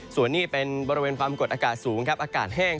ส่วนนี้เป็นบริเวณความกดอากาศสูงครับอากาศแห้ง